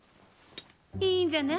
いいんじゃない？